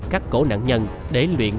các cổ nạn nhân để luyện